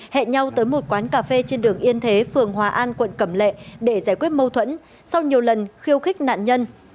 hẹn nhau tới một quán cà phê trên đường yên thế phường hòa an quận cẩm lệ để giải quyết mâu thuẫn sau nhiều lần khiêu khích nạn nhân